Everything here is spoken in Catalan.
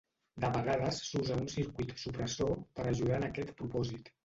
De vegades s'usa un circuit supressor per a ajudar en aquest propòsit.